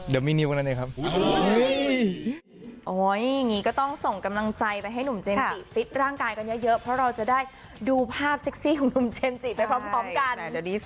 เดี๋ยวจะพยายามทำให้ร่างกายพร้อมกว่านี้